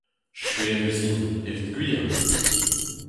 Skuizhus int, evit gwir.